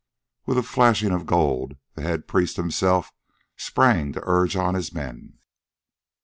With a flashing of gold, the head priest himself sprang to urge on his men.